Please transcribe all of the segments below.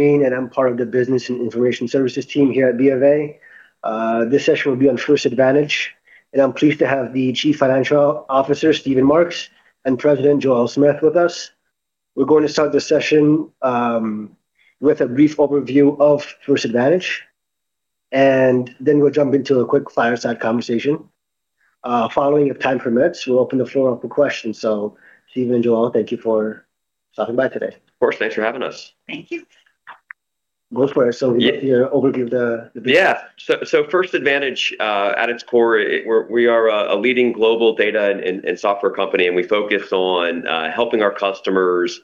I'm part of the Business and Information Services team here at BofA. This session will be on First Advantage, and I'm pleased to have the Chief Financial Officer, Steven Marks, and President Joelle Smith with us. We're going to start the session with a brief overview of First Advantage, and then we'll jump into a quick fireside conversation. Following, if time permits, we'll open the floor up for questions. Steven and Joelle, thank you for stopping by today. Of course. Thanks for having us. Thank you. Go for it. Give the overview of the First Advantage at its core, we are a leading global data and software company, and we focus on helping our customers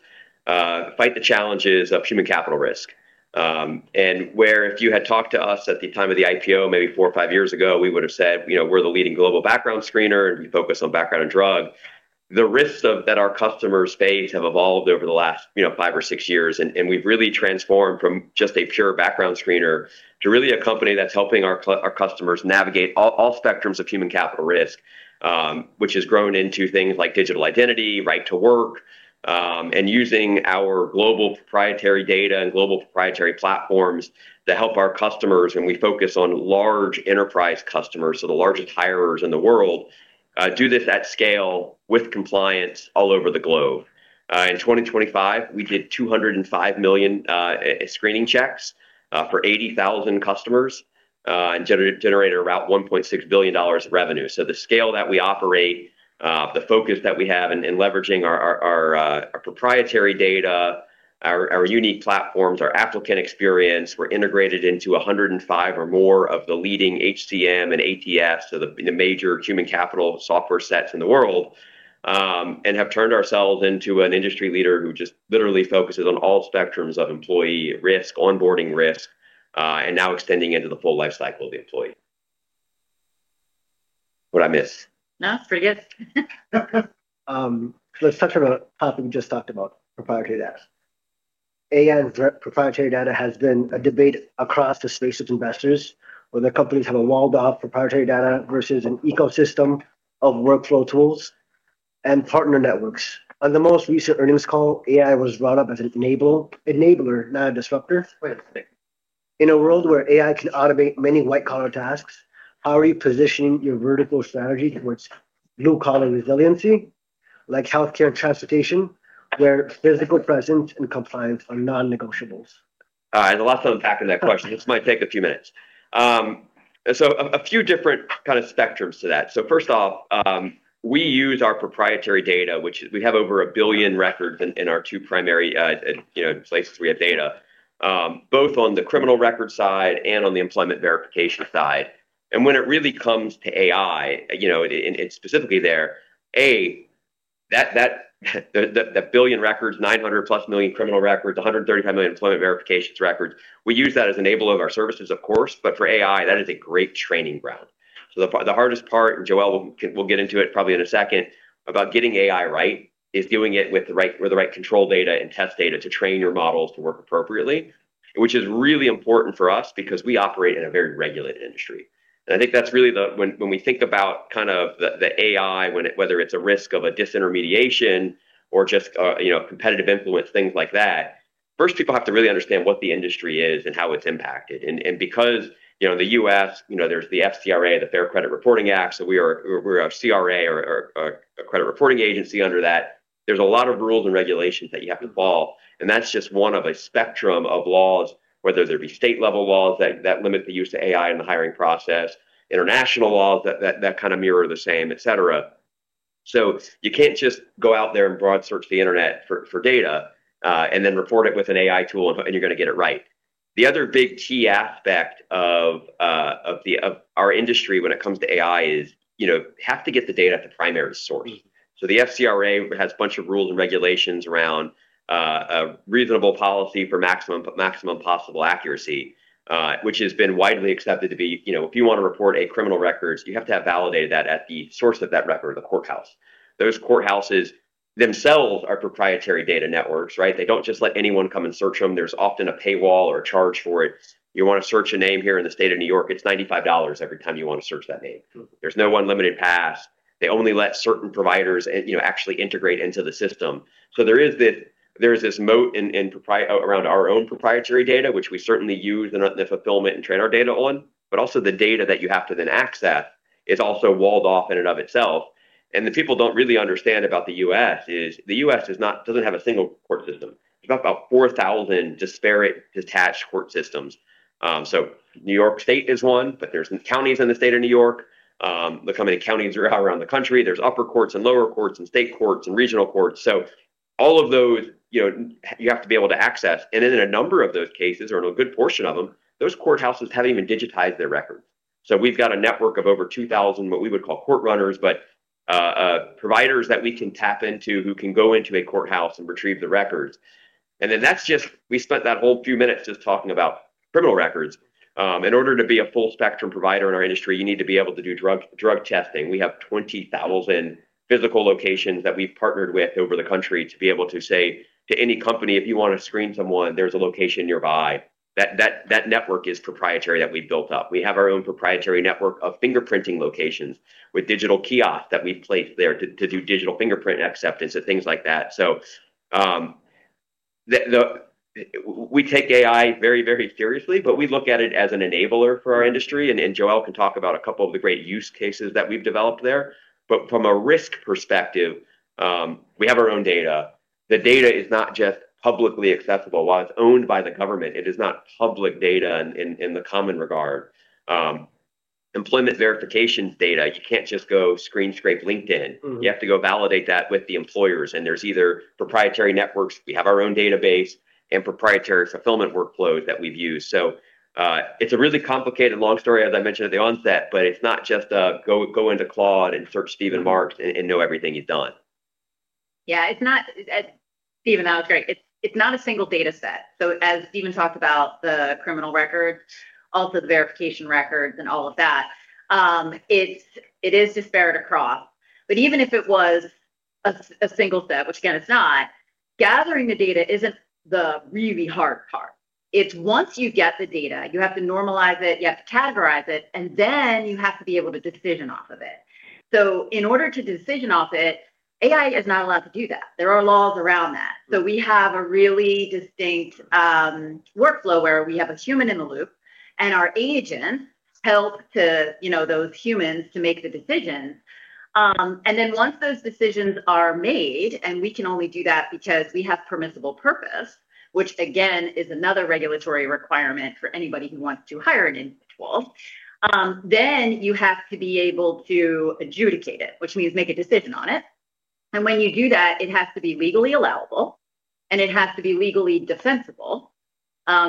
fight the challenges of human capital risk. Where if you had talked to us at the time of the IPO maybe four or five years ago, we would have said, you know, we're the leading global background screener, and we focus on background and drug. The risks that our customers face have evolved over the last, you know, five or six years. We've really transformed from just a pure background screener to really a company that's helping our customers navigate all spectrums of human capital risk, which has grown into things like Digital Identity, Right to Work, and using our global proprietary data and global proprietary platforms to help our customers. We focus on large enterprise customers, so the largest hirers in the world do this at scale with compliance all over the globe. In 2025, we did 205 million screening checks for 80,000 customers and generated around $1.6 billion of revenue. The scale that we operate, the focus that we have in in leveraging our our our our proprietary data, our our unique platforms, our applicant experience, we're integrated into 105 or more of the leading HCM and ATS, so the the major human capital software sets in the world, and have turned ourselves into an industry leader who just literally focuses on all spectrums of employee risk, onboarding risk, and now extending into the full life cycle of the employee. What did I miss? No, that's pretty good. Let's touch on a topic we just talked about, proprietary data. AI and proprietary data has been a debate across the space of investors, whether companies have a walled-off proprietary data versus an ecosystem of workflow tools and partner networks. On the most recent earnings call, AI was brought up as an enabler, not a disruptor. In a world where AI can automate many white-collar tasks, how are you positioning your vertical strategy towards blue-collar resiliency, like healthcare and transportation, where physical presence and compliance are non-negotiables? All right. There's a lot to unpack in that question. This might take a few minutes. A few different kind of spectrums to that. First off, we use our proprietary data, which we have over 1 billion records in our two primary, you know, places we have data, both on the criminal record side and on the employment verification side. When it really comes to AI, you know, and specifically there, that, the billion records, 900+ million criminal records, 135 million employment verifications records, we use that as enabler of our services, of course. But for AI, that is a great training ground. The hardest part, and Joelle will get into it probably in a second about getting AI right, is doing it with the right control data and test data to train your models to work appropriately. Which is really important for us because we operate in a very regulated industry. I think that's really when we think about kind of the AI, whether it's a risk of a disintermediation or just, you know, competitive influence, things like that, first people have to really understand what the industry is and how it's impacted. Because, you know, the U.S., you know, there's the FCRA, the Fair Credit Reporting Act. We're a CRA or a credit reporting agency under that. There's a lot of rules and regulations that you have to follow, and that's just one of a spectrum of laws, whether they be state-level laws that limit the use of AI in the hiring process, international laws that kind of mirror the same, etc. You can't just go out there and broad search the internet for data, and then report it with an AI tool, and you're going to get it right. The other big key aspect of our industry when it comes to AI is, you know, have to get the data at the primary source. The FCRA has a bunch of rules and regulations around a reasonable policy for maximum possible accuracy, which has been widely accepted to be, you know, if you want to report a criminal records, you have to have validated that at the source of that record, the courthouse. Those courthouses themselves are proprietary data networks, right? They don't just let anyone come and search them. There's often a paywall or a charge for it. You want to search a name here in the state of New York, it's $95 every time you want to search that name. There's no unlimited pass. They only let certain providers, you know, actually integrate into the system. There is this moat around our own proprietary data, which we certainly use in the fulfillment and train our data on. Also the data that you have to then access is also walled off in and of itself. The people don't really understand about the U.S. is the U.S. doesn't have a single court system. There's about 4,000 disparate detached court systems. New York State is one, but there's counties in the state of New York. Look how many counties are around the country. There's upper courts and lower courts and state courts and regional courts. All of those, you know, you have to be able to access. In a number of those cases, or in a good portion of them, those courthouses haven't even digitized their records. We've got a network of over 2,000 what we would call court runners, but providers that we can tap into who can go into a courthouse and retrieve the records. That's just, we spent that whole few minutes just talking about criminal records. In order to be a full spectrum provider in our industry, you need to be able to do drug testing. We have 20,000 physical locations that we've partnered with over the country to be able to say to any company, if you want to screen someone, there's a location nearby. That network is proprietary that we've built up. We have our own proprietary network of fingerprinting locations with digital kiosk that we've placed there to do digital fingerprint acceptance and things like that. We take AI very, very seriously, but we look at it as an enabler for our industry. Joelle can talk about a couple of the great use cases that we've developed there. From a risk perspective, we have our own data. The data is not just publicly accessible. While it's owned by the government, it is not public data in the common regard. Employment verifications data, you can't just go screen scrape LinkedIn. Mm-hmm. You have to go validate that with the employers, and there's either proprietary networks, we have our own database, and proprietary fulfillment workflows that we've used. It's a really complicated long story, as I mentioned at the onset, but it's not just a go into Claude and search Steven Marks and know everything he's done. Yeah. Steven, that was great. It's not a single dataset. As Steven talked about the criminal records, also the verification records, and all of that, it is disparate across. Even if it was a single set, which again it's not, gathering the data isn't the really hard part. It's once you get the data, you have to normalize it, you have to categorize it, and then you have to be able to decision off of it. In order to decision off it, AI is not allowed to do that. There are laws around that. We have a really distinct workflow where we have a human in the loop, and our agents help to, you know, those humans to make the decisions. Once those decisions are made, and we can only do that because we have permissible purpose, which again is another regulatory requirement for anybody who wants to hire an individual, then you have to be able to adjudicate it, which means make a decision on it. When you do that, it has to be legally allowable, and it has to be legally defensible,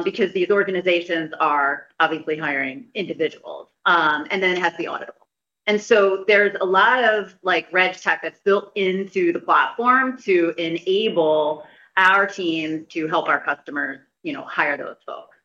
because these organizations are obviously hiring individuals. It has to be auditable. There's a lot of like RegTech that's built into the platform to enable our teams to help our customers, you know, hire those folks.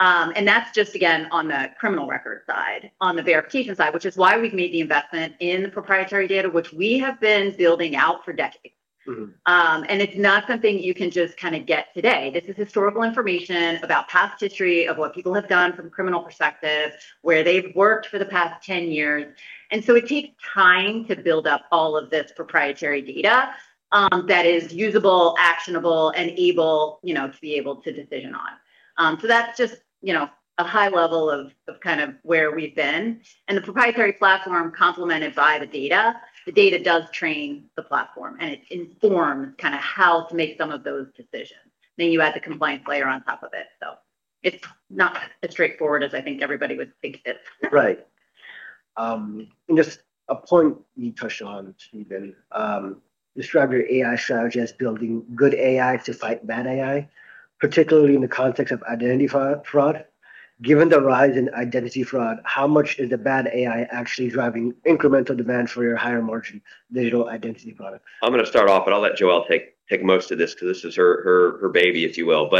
That's just again, on the criminal record side. On the verification side, which is why we've made the investment in the proprietary data, which we have been building out for decades. Mm-hmm. It's not something you can just kind of get today. This is historical information about past history of what people have done from criminal perspective, where they've worked for the past 10 years. It takes time to build up all of this proprietary data, that is usable, actionable, and able, you know, to be able to decide on. That's just, you know, a high level of kind of where we've been, and the proprietary platform complemented by the data. The data does train the platform, and it informs kind of how to make some of those decisions. Then you add the compliance layer on top of it. It's not as straightforward as I think everybody would think it is. Right. Just a point you touched on, Steven, described your AI strategy as building good AI to fight bad AI, particularly in the context of identity fraud. Given the rise in identity fraud, how much is the bad AI actually driving incremental demand for your higher margin Digital Identity product? I'm gonna start off, but I'll let Joelle take most of this 'cause this is her baby, if you will.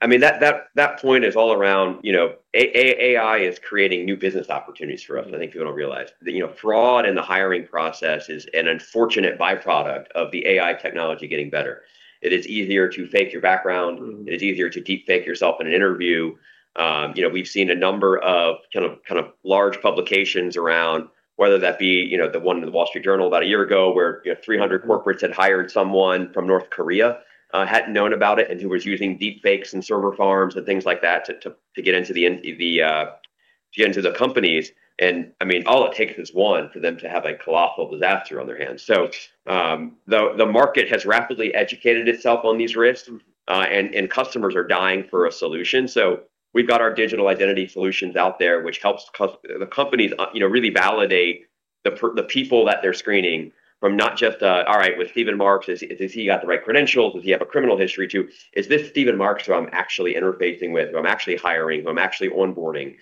I mean, that point is all around, you know, AI is creating new business opportunities for us, and I think people don't realize. You know, fraud in the hiring process is an unfortunate byproduct of the AI technology getting better. It is easier to fake your background. Mm-hmm. It is easier to deepfake yourself in an interview. You know, we've seen a number of kind of large publications around, whether that be, you know, the one in the Wall Street Journal about a year ago where, you know, 300 corporates had hired someone from North Korea, hadn't known about it, and who was using deepfakes and server farms and things like that to get into the companies. I mean, all it takes is one for them to have a colossal disaster on their hands. The market has rapidly educated itself on these risks, and customers are dying for a solution. We've got our digital identity solutions out there, which helps the companies, you know, really validate the people that they're screening from not just, all right, with Steven Marks, has he got the right credentials? Does he have a criminal history? To, is this Steven Marks who I'm actually interfacing with, who I'm actually hiring, who I'm actually onboarding?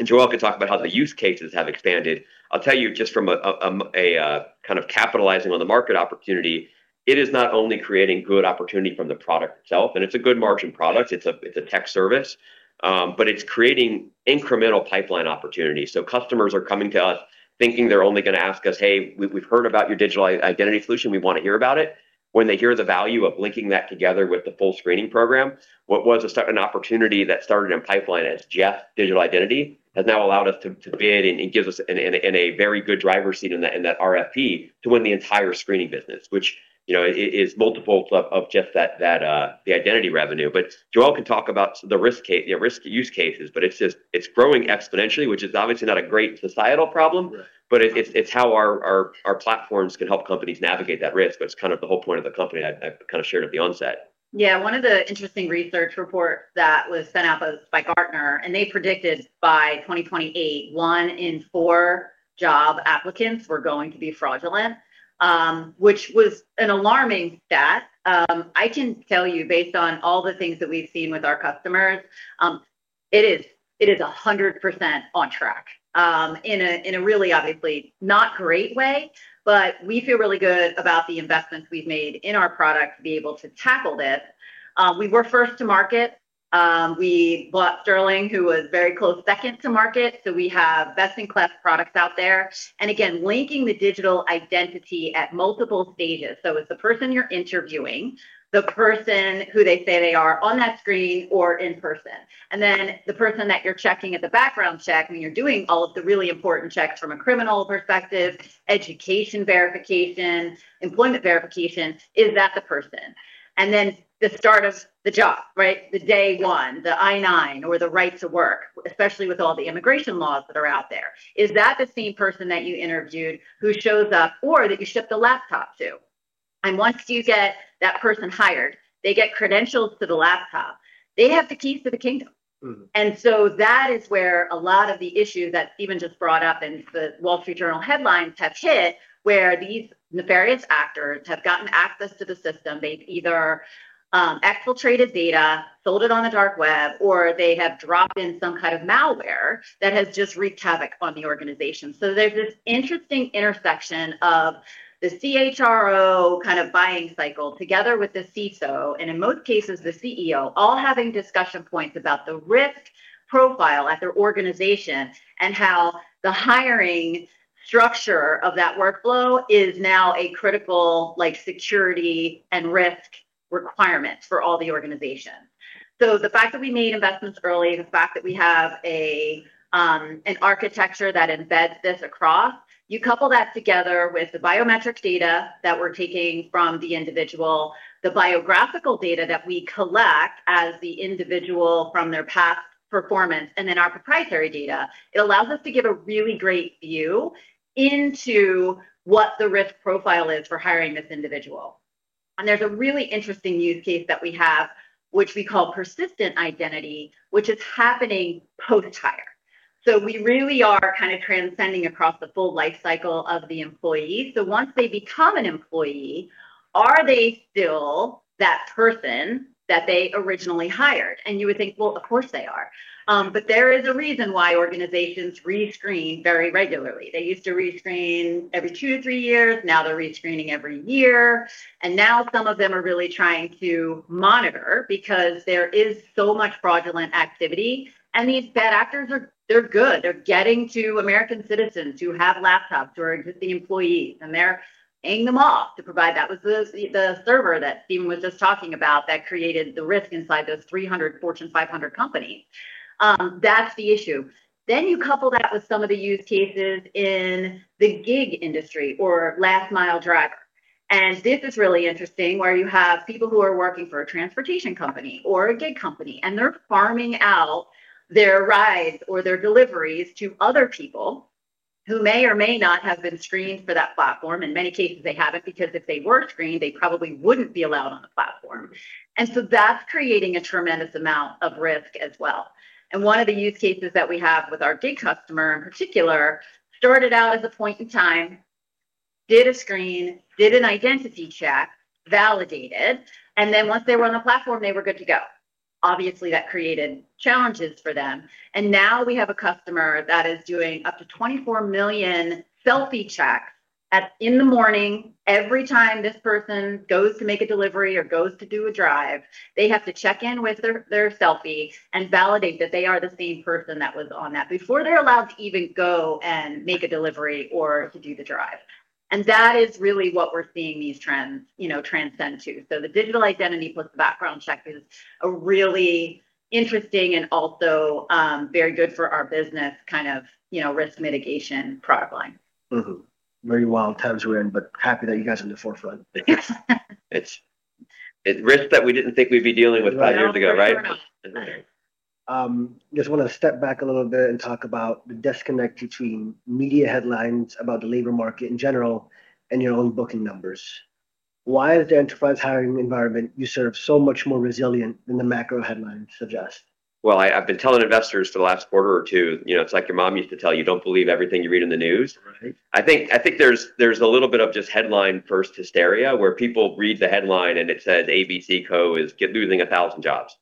And Joelle can talk about how the use cases have expanded. I'll tell you just from a kind of capitalizing on the market opportunity, it is not only creating good opportunity from the product itself, and it's a good margin product, it's a tech service, but it's creating incremental pipeline opportunities. Customers are coming to us thinking they're only gonna ask us, "Hey, we've heard about your digital identity solution. We want to hear about it." When they hear the value of linking that together with the full screening program, an opportunity that started in pipeline as just Digital Identity has now allowed us to bid, and it gives us a very good driver's seat in that RFP to win the entire screening business, which, you know, is multiples of just that, the identity revenue. But Joelle can talk about the risk, you know, risk use cases, but it's just growing exponentially, which is obviously not a great societal problem. Right. It's how our platforms can help companies navigate that risk, but it's kind of the whole point of the company I kind of shared at the onset. Yeah. One of the interesting research reports that was sent out by Gartner, and they predicted by 2028 1 in 4 job applicants were going to be fraudulent, which was an alarming stat. I can tell you based on all the things that we've seen with our customers, it is 100% on track, in a really obviously not great way, but we feel really good about the investments we've made in our product to be able to tackle this. We were first to market. We bought Sterling, who was very close second to market. We have best-in-class products out there, and again, linking the Digital Identity at multiple stages. It's the person you're interviewing, the person who they say they are on that screen or in person, and then the person that you're checking at the background check when you're doing all of the really important checks from a criminal perspective, education verification, employment verification, is that the person? Then the start of the job, right? The day one, the I-9 or the Right to Work, especially with all the immigration laws that are out there. Is that the same person that you interviewed who shows up or that you ship the laptop to? Once you get that person hired, they get credentials to the laptop, they have the keys to the kingdom. Mm-hmm. That is where a lot of the issues that Steven just brought up in the Wall Street Journal headlines have hit, where these nefarious actors have gotten access to the system. They've either exfiltrated data, sold it on the dark web, or they have dropped in some kind of malware that has just wreaked havoc on the organization. There's this interesting intersection of the CHRO kind of buying cycle together with the CISO, and in most cases the CEO, all having discussion points about the risk profile at their organization and how the hiring structure of that workflow is now a critical, like, security and risk requirement for all the organization. The fact that we made investments early, the fact that we have an architecture that embeds this across, you couple that together with the biometric data that we're taking from the individual, the biographical data that we collect on the individual from their past performance, and then our proprietary data, it allows us to get a really great view into what the risk profile is for hiring this individual. There's a really interesting use case that we have, which we call Persistent Identity, which is happening post-hire. We really are kind of transcending across the full life cycle of the employee. Once they become an employee, are they still that person that they originally hired? You would think, "Well, of course they are." There is a reason why organizations rescreen very regularly. They used to rescreen every two to three years. Now they're rescreening every year. Now some of them are really trying to monitor because there is so much fraudulent activity. These bad actors are good. They're getting to American citizens who have laptops, who are existing employees, and they're paying them off to provide. That was the server that Steven was just talking about that created the risk inside those 300 Fortune 500 companies. That's the issue. You couple that with some of the use cases in the gig industry or last mile drivers. This is really interesting, where you have people who are working for a transportation company or a gig company, and they're farming out their rides or their deliveries to other people who may or may not have been screened for that platform. In many cases, they haven't, because if they were screened, they probably wouldn't be allowed on the platform. That's creating a tremendous amount of risk as well. One of the use cases that we have with our gig customer in particular started out as a point in time, did a screen, did an identity check, validated, and then once they were on the platform, they were good to go. Obviously, that created challenges for them. Now we have a customer that is doing up to 24 million selfie checks in the morning. Every time this person goes to make a delivery or goes to do a drive, they have to check in with their selfie and validate that they are the same person that was on that before they're allowed to even go and make a delivery or to do the drive. That is really what we're seeing these trends, you know, transcend to. The Digital Identity plus the background check is a really interesting and also, very good for our business kind of, you know, risk mitigation product line. Mm-hmm. Very wild times we're in, but happy that you guys are in the forefront. It's risk that we didn't think we'd be dealing with five years ago, right? Right. Just wanna step back a little bit and talk about the disconnect between media headlines about the labor market in general and your own booking numbers. Why is the enterprise hiring environment you serve so much more resilient than the macro headlines suggest? Well, I've been telling investors for the last quarter or two, you know, it's like your mom used to tell you, "Don't believe everything you read in the news. Right. I think there's a little bit of just headline-first hysteria, where people read the headline, and it says, "ABC Co. is losing 1,000 jobs."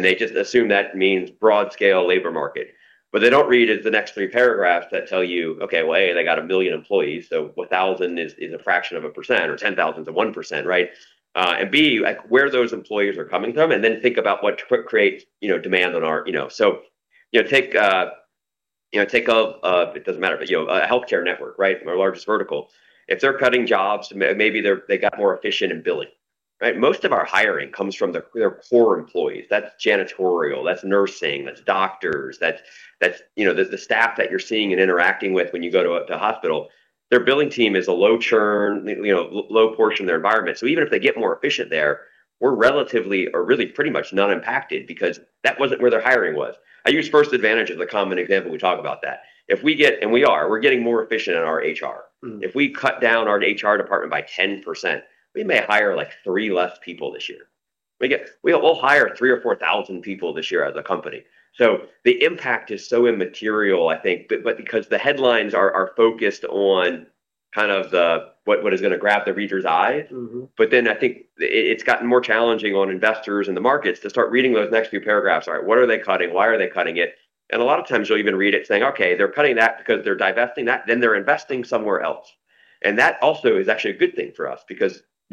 They just assume that means broad scale labor market. What they don't read is the next 3 paragraphs that tell you, okay, well, A, they got 1 million employees, so 1,000 is a fraction of a percent, or 10,000 is 1%, right? And B, where those employees are coming from, and then think about what creates, you know, demand on our. You know? You know, take a, it doesn't matter, but, you know, a healthcare network, right? Our largest vertical. If they're cutting jobs, maybe they got more efficient in billing, right? Most of our hiring comes from their core employees. That's janitorial, that's nursing, that's doctors, that's the staff that you're seeing and interacting with when you go to a hospital. Their billing team is a low churn, you know, low portion of their environment. So even if they get more efficient there, we're relatively or really pretty much not impacted because that wasn't where their hiring was. I use First Advantage as a common example when we talk about that. We're getting more efficient in our HR. Mm. If we cut down our HR department by 10%, we may hire like 3 less people this year. We'll hire 3,000 or 4,000 people this year as a company. The impact is so immaterial, I think. Because the headlines are focused on kind of the what is gonna grab the reader's eye. Mm-hmm. I think it's gotten more challenging on investors and the markets to start reading those next few paragraphs. All right, what are they cutting? Why are they cutting it? A lot of times you'll even read it saying, "Okay, they're cutting that because they're divesting that, then they're investing somewhere else." That also is actually a good thing for us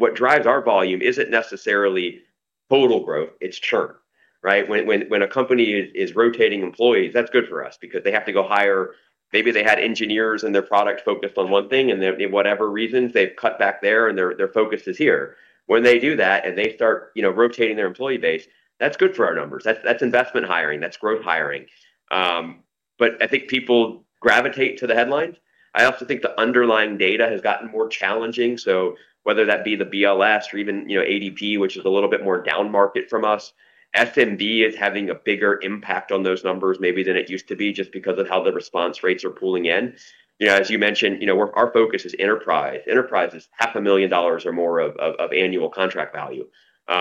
because what drives our volume isn't necessarily total growth, it's churn, right? When a company is rotating employees, that's good for us because they have to go hire. Maybe they had engineers and their product focused on one thing, and they, whatever reasons, they've cut back there, and their focus is here. When they do that, and they start, you know, rotating their employee base, that's good for our numbers. That's investment hiring. That's growth hiring. I think people gravitate to the headlines. I also think the underlying data has gotten more challenging. Whether that be the BLS or even, you know, ADP, which is a little bit more down market from us, SMB is having a bigger impact on those numbers maybe than it used to be, just because of how the response rates are coming in. You know, as you mentioned, you know, our focus is enterprise. Enterprise is half a million dollars or more of annual contract value.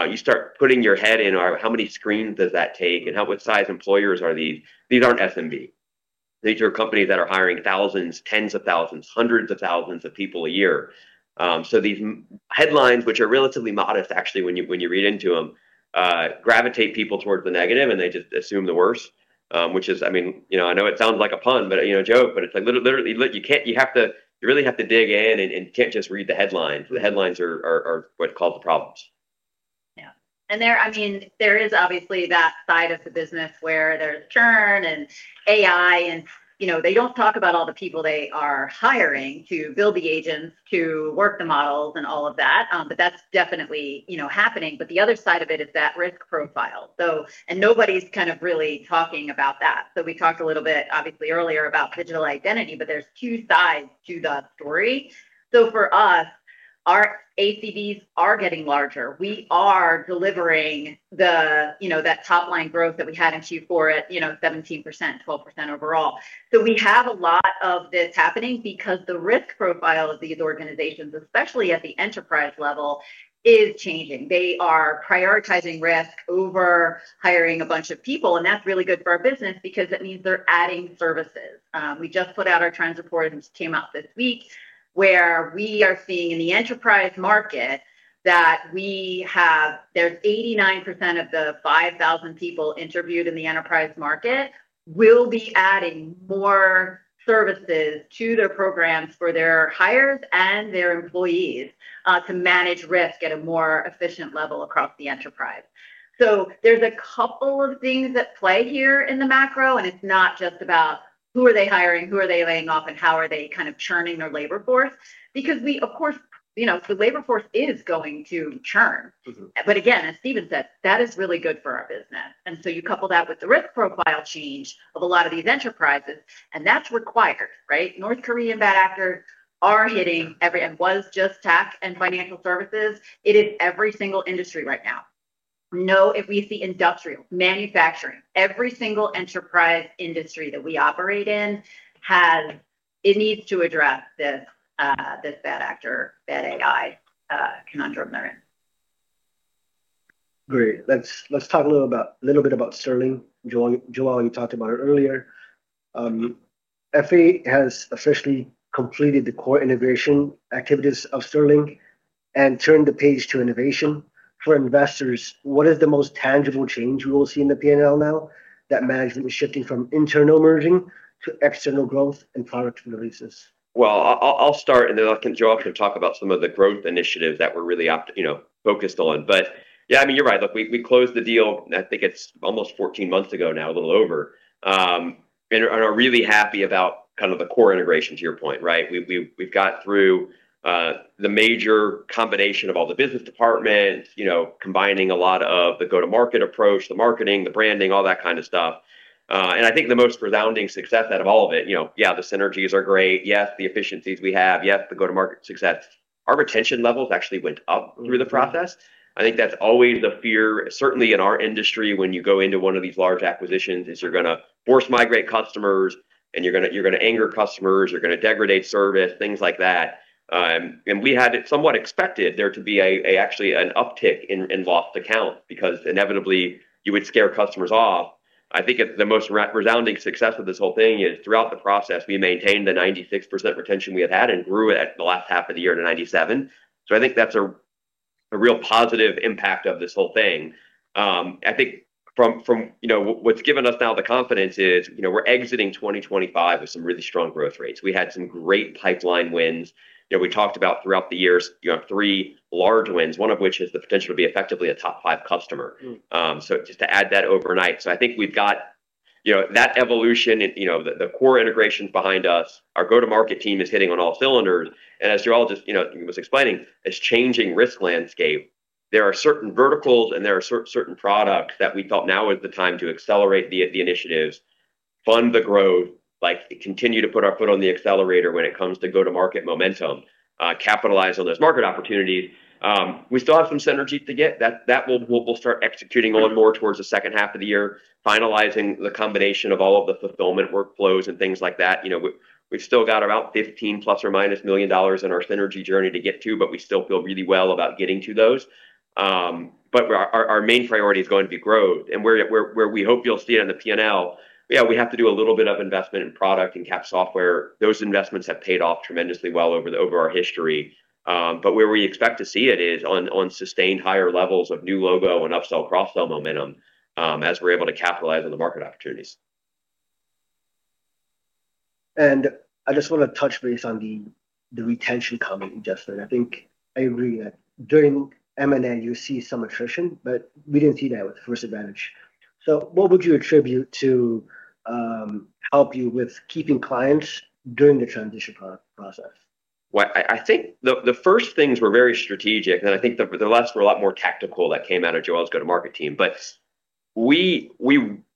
You start putting your head around how many screens does that take, and what size employers are these? These aren't SMB. These are companies that are hiring thousands, tens of thousands, hundreds of thousands of people a year. These headlines, which are relatively modest actually, when you read into them, gravitate people towards the negative, and they just assume the worst, which is, I mean, you know, I know it sounds like a pun, but you know, a joke, but it's like literally, you really have to dig in and you can't just read the headlines. The headlines are what cause the problems. Yeah. There, I mean, there is obviously that side of the business where there's churn and AI and, you know, they don't talk about all the people they are hiring to build the agents to work the models and all of that. But that's definitely, you know, happening. The other side of it is that risk profile. Nobody's kind of really talking about that. We talked a little bit, obviously, earlier about Digital Identity, but there's two sides to the story. For us, our ACVs are getting larger. We are delivering the, you know, that top-line growth that we had in Q4 at, you know, 17%, 12% overall. We have a lot of this happening because the risk profile of these organizations, especially at the enterprise level, is changing. They are prioritizing risk over hiring a bunch of people, and that's really good for our business because it means they're adding services. We just put out our trends report. It just came out this week, where we are seeing in the enterprise market that there's 89% of the 5,000 people interviewed in the enterprise market will be adding more services to their programs for their hires and their employees to manage risk at a more efficient level across the enterprise. There's a couple of things at play here in the macro, and it's not just about who are they hiring, who are they laying off, and how are they kind of churning their labor force. We of course, you know, the labor force is going to churn. Mm-hmm. Again, as Steven said, that is really good for our business. You couple that with the risk profile change of a lot of these enterprises, and that's required, right? North Korean bad actors are hitting. It was just tech and financial services. It is every single industry right now. If we see industrial, manufacturing, every single enterprise industry that we operate in, it needs to address this bad actor, bad AI, conundrum they're in. Great. Let's talk a little bit about Sterling. Joelle, you talked about it earlier. FA has officially completed the core integration activities of Sterling and turned the page to innovation. For investors, what is the most tangible change we will see in the P&L now that management is shifting from internal merging to external growth and product releases? I'll start and then I'll let Joelle sort of talk about some of the growth initiatives that we're really you know, focused on. Yeah, I mean, you're right. Look, we closed the deal, I think it's almost 14 months ago now, a little over. And are really happy about kind of the core integration to your point, right? We've got through the major combination of all the business departments, you know, combining a lot of the go-to-market approach, the marketing, the branding, all that kind of stuff. And I think the most resounding success out of all of it, you know, yeah, the synergies are great. Yes, the efficiencies we have. Yes, the go-to-market success. Our retention levels actually went up through the process. I think that's always the fear, certainly in our industry, when you go into one of these large acquisitions, is you're gonna force migrate customers, and you're gonna anger customers, you're gonna degrade service, things like that. We had somewhat expected there to be actually an uptick in lost accounts, because inevitably you would scare customers off. I think the most resounding success of this whole thing is throughout the process, we maintained the 96% retention we had and grew it the last half of the year to 97%. I think that's a real positive impact of this whole thing. I think from, you know, what's given us now the confidence is, you know, we're exiting 2025 with some really strong growth rates. We had some great pipeline wins. You know, we talked about throughout the years, you know, three large wins, one of which is the potential to be effectively a top five customer. Mm. Just to add that overnight. I think we've got, you know, that evolution and, you know, the core integrations behind us. Our go-to-market team is hitting on all cylinders. As Joelle just, you know, was explaining, this changing risk landscape, there are certain verticals and there are certain products that we felt now is the time to accelerate the initiatives, fund the growth, like continue to put our foot on the accelerator when it comes to go-to-market momentum, capitalize on those market opportunities. We still have some synergy to get. That we'll start executing on more towards the second half of the year, finalizing the combination of all of the fulfillment workflows and things like that. You know, we've still got about $15 ± million in our synergy journey to get to, but we still feel really well about getting to those. Our main priority is going to be growth. Where we hope you'll see it on the P&L, yeah, we have to do a little bit of investment in product, in CapEx, software. Those investments have paid off tremendously well over our history. Where we expect to see it is on sustained higher levels of new logo and upsell, cross-sell momentum, as we're able to capitalize on the market opportunities. I just want to touch base on the retention comment you just said. I think I agree that during M&A you see some attrition, but we didn't see that with First Advantage. What would you attribute to help you with keeping clients during the transition process? Well, I think the first things were very strategic, and I think the last were a lot more tactical that came out of Joelle's go-to-market team. We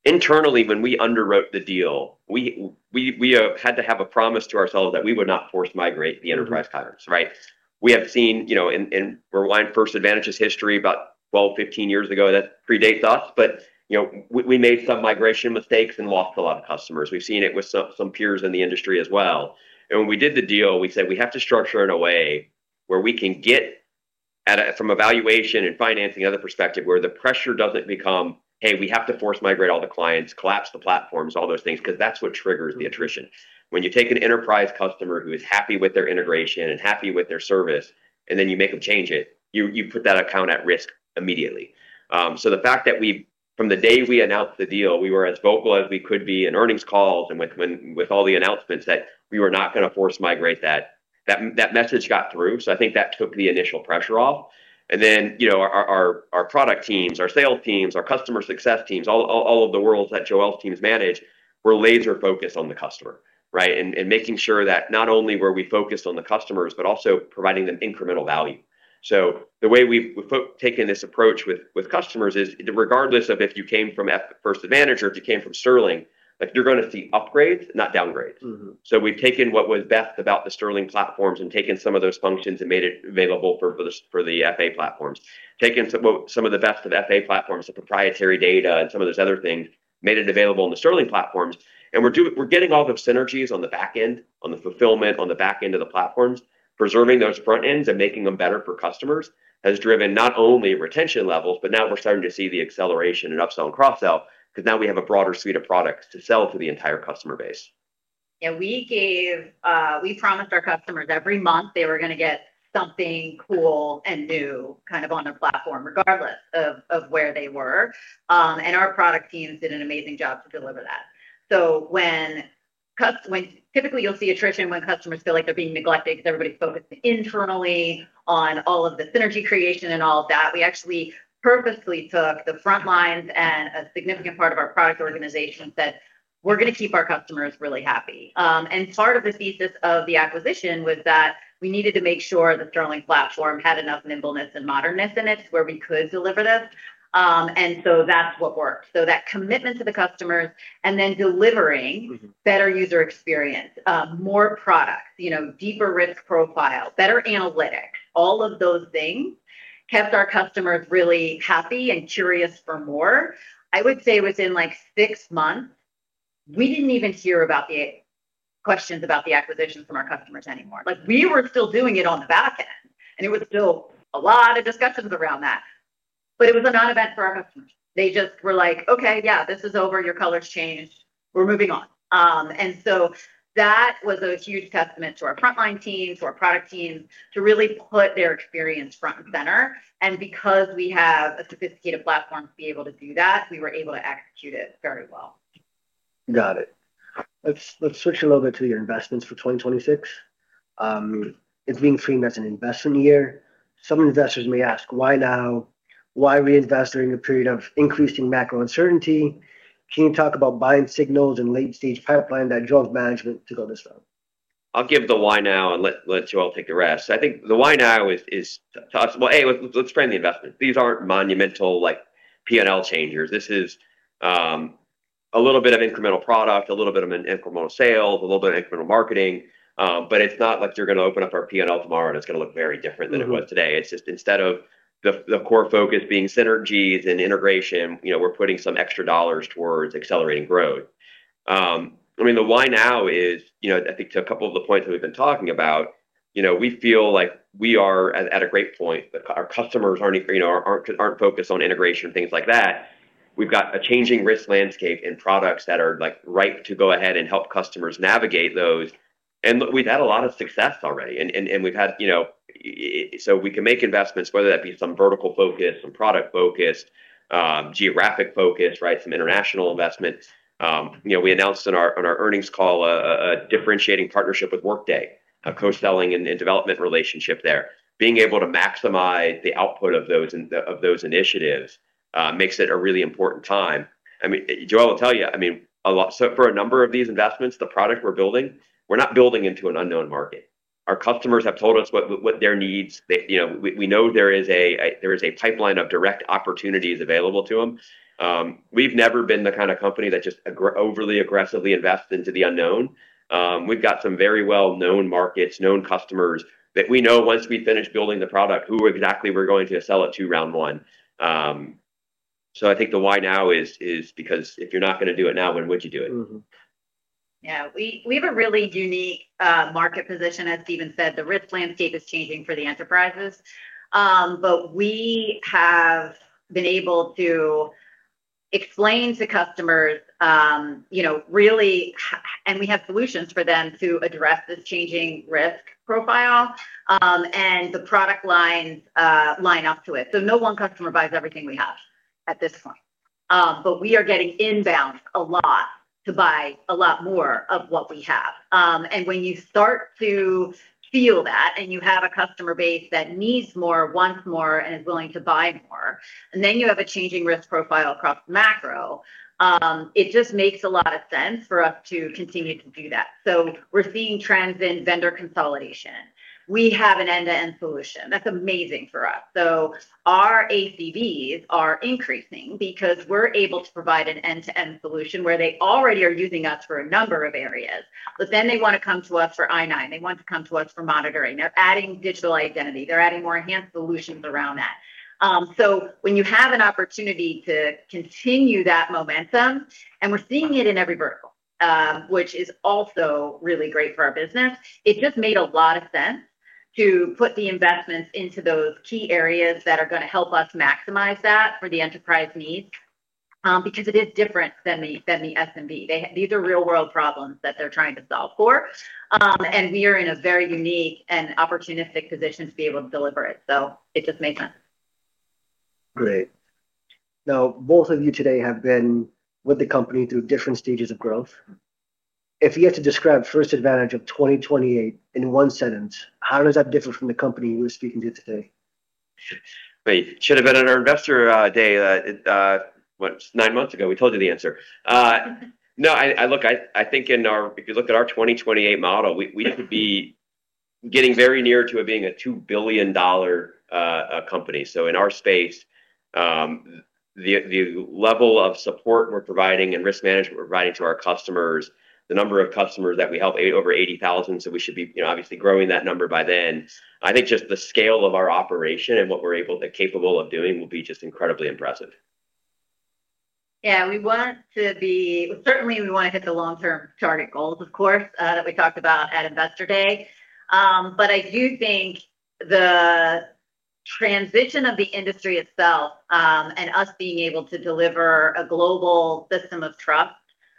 internally, when we underwrote the deal, we had to have a promise to ourselves that we would not force migrate the enterprise customers, right? We have seen, you know, rewind First Advantage's history about 12-15 years ago, that predates us, but, you know, we made some migration mistakes and lost a lot of customers. We've seen it with some peers in the industry as well. When we did the deal, we said we have to structure it in a way where we can get from a valuation and financing and other perspective, where the pressure doesn't become, "Hey, we have to force migrate all the clients, collapse the platforms," all those things, 'cause that's what triggers the attrition. When you take an enterprise customer who is happy with their integration and happy with their service, and then you make them change it, you put that account at risk immediately. The fact that we've from the day we announced the deal, we were as vocal as we could be in earnings calls and with all the announcements that we were not gonna force migrate that. That message got through, so I think that took the initial pressure off. You know, our product teams, our sales teams, our customer success teams, all of the worlds that Joelle's teams manage, we're laser-focused on the customer, right? Making sure that not only were we focused on the customers, but also providing them incremental value. The way we've taken this approach with customers is regardless of if you came from First Advantage or if you came from Sterling, like you're gonna see upgrades, not downgrades. Mm-hmm. We've taken what was best about the Sterling platforms and taken some of those functions and made it available for the FA platforms. Taken some of the best of FA platforms, the proprietary data, and some of those other things, made it available on the Sterling platforms. We're getting all those synergies on the back end, on the fulfillment, on the back end of the platforms, preserving those front ends and making them better for customers, has driven not only retention levels, but now we're starting to see the acceleration in upsell and cross-sell, because now we have a broader suite of products to sell to the entire customer base. Yeah, we gave, we promised our customers every month they were gonna get something cool and new kind of on their platform, regardless of where they were. Our product teams did an amazing job to deliver that. When typically you'll see attrition when customers feel like they're being neglected because everybody's focused internally on all of the synergy creation and all of that. We actually purposefully took the front lines and a significant part of our product organization, said, "We're gonna keep our customers really happy." Part of the thesis of the acquisition was that we needed to make sure the Sterling platform had enough nimbleness and modernness in it where we could deliver this, and so that's what worked. That commitment to the customers and then delivering. Mm-hmm. Better user experience, more product, you know, deeper risk profile, better analytics, all of those things kept our customers really happy and curious for more. I would say within like 6 months, we didn't even hear about the questions about the acquisition from our customers anymore. Like, we were still doing it on the back end, and it was still a lot of discussions around that, but it was a non-event for our customers. They just were like, "Okay, yeah, this is over. Your color's changed. We're moving on." That was a huge testament to our frontline teams, to our product teams to really put their experience front and center. Because we have a sophisticated platform to be able to do that, we were able to execute it very well. Got it. Let's switch a little bit to your investments for 2026. It's being framed as an investment year. Some investors may ask, why now? Why reinvest during a period of increasing macro uncertainty? Can you talk about buying signals and late-stage pipeline that drove management to go this route? I'll give the why now and let Joelle take the rest. I think the why now is tactically possible. Hey, let's frame the investment. These aren't monumental like P&L changers. This is a little bit of incremental product, a little bit of an incremental sales, a little bit of incremental marketing, but it's not like they're gonna open up our P&L tomorrow, and it's gonna look very different than it was today. It's just instead of the core focus being synergies and integration, you know, we're putting some extra dollars towards accelerating growth. I mean, the why now is, you know, I think to a couple of the points that we've been talking about, you know, we feel like we are at a great point. Our customers aren't, you know, focused on integration and things like that. We've got a changing risk landscape and products that are like ripe to go ahead and help customers navigate those. We've had a lot of success already, you know. We can make investments, whether that be some vertical focus, some product focus, geographic focus, right? Some international investments. We announced in our earnings call a differentiating partnership with Workday, a co-selling and development relationship there. Being able to maximize the output of those initiatives makes it a really important time. Joelle will tell you a lot. For a number of these investments, the product we're building, we're not building into an unknown market. Our customers have told us what their needs, you know. We know there is a pipeline of direct opportunities available to them. We've never been the kind of company that just overly aggressively invests into the unknown. We've got some very well-known markets, known customers that we know once we finish building the product who exactly we're going to sell it to round one. I think the why now is because if you're not gonna do it now, when would you do it? Yeah. We have a really unique market position. As Steven said, the risk landscape is changing for the enterprises. We have been able to explain to customers, you know, really and we have solutions for them to address this changing risk profile, and the product lines line up to it. No one customer buys everything we have at this point. We are getting inbound a lot to buy a lot more of what we have. When you start to feel that and you have a customer base that needs more, wants more, and is willing to buy more. You have a changing risk profile across macro. It just makes a lot of sense for us to continue to do that. We're seeing trends in vendor consolidation. We have an end-to-end solution. That's amazing for us. Our ACVs are increasing because we're able to provide an end-to-end solution where they already are using us for a number of areas, but then they want to come to us for I-9, they want to come to us for monitoring. They're adding Digital Identity. They're adding more enhanced solutions around that. When you have an opportunity to continue that momentum, and we're seeing it in every vertical, which is also really great for our business, it just made a lot of sense to put the investments into those key areas that are going to help us maximize that for the enterprise needs, because it is different than the SMB. These are real world problems that they're trying to solve for. We are in a very unique and opportunistic position to be able to deliver it. It just made sense. Great. Now, both of you today have been with the company through different stages of growth. If you had to describe First Advantage of 2028 in one sentence, how does that differ from the company we're speaking to today? Right. Should have been at our Investor Day what, nine months ago. We told you the answer. No, I think if you look at our 2028 model, we could be getting very near to it being a $2 billion company. In our space, the level of support we're providing and risk management we're providing to our customers, the number of customers that we help, over 80,000. We should be, you know, obviously growing that number by then. I think just the scale of our operation and what we're capable of doing will be just incredibly impressive. Certainly we want to hit the long-term target goals, of course, that we talked about at Investor Day. I do think the transition of the industry itself, and us being able to deliver a global system of trust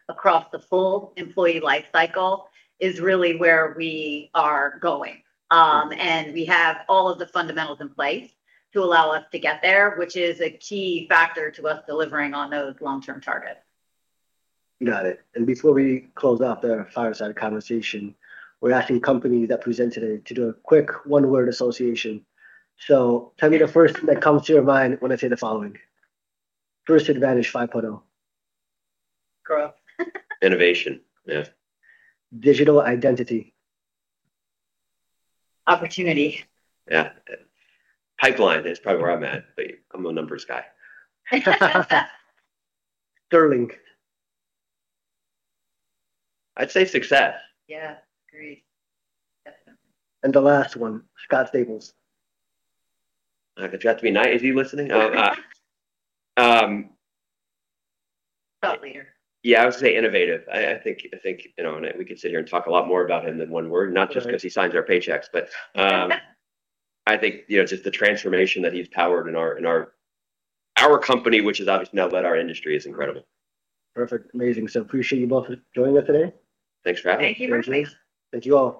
across the full employee life cycle is really where we are going. We have all of the fundamentals in place to allow us to get there, which is a key factor to us delivering on those long-term targets. Got it. Before we close off the fireside conversation, we're asking companies that presented it to do a quick one-word association. Tell me the first thing that comes to your mind when I say the following. First Advantage 5.0. Growth. Innovation. Yeah. Digital Identity. Opportunity. Yeah. Pipeline is probably where I'm at, but I'm a numbers guy. Sterling. I'd say success. Yeah, agreed. Definitely. The last one, Scott Staples. It's got to be nice. Is he listening? Thought leader. Yeah, I would say innovative. I think you know, and we could sit here and talk a lot more about him than one word, not just because he signs our paychecks, but I think you know, just the transformation that he's powered in our company, which is obviously now led our industry, is incredible. Perfect. Amazing. Appreciate you both joining us today. Thanks for having us. Thank you. Thank you all.